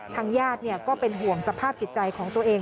ทางญาติก็เป็นห่วงสภาพจิตใจของตัวเอง